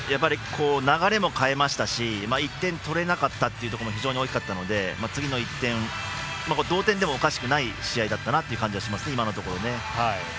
流れも変えましたし１点取れなかったっていうところが非常に大きかったので同点でもおかしくなかったかなという感じはしますね、今のところ。